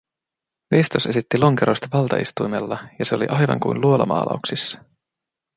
Veistos esitti lonkeroista valtaistuimella ja se oli aivan kuin luolamaalauksissa.